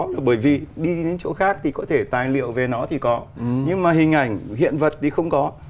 còn tìm ở chỗ khác thì có thể tài liệu về nó thì có nhưng mà hình ảnh hiện vật thì không có